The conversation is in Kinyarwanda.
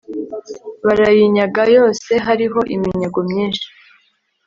Barayinyaga yose hariho iminyago myinshi